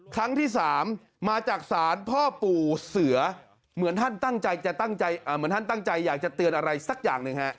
ครั้งที่๓มาจากศาลพ่อปู่เสือเหมือนท่านตั้งใจอยากจะเตือนอะไรสักอย่างหนึ่งฮะ